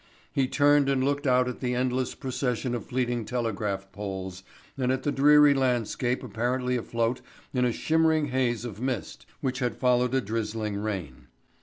He turned and looked out at the endless procession of fleeting telegraph poles and at the dreary landscape apparently afloat in a shimmering haze of mist which had followed a drizzling rain.